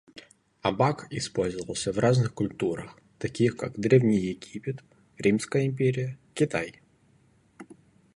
Абак использовался в разных культурах, таких как древний Египет, Римская империя, Китай.